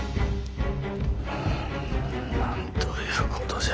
うんなんということじゃ。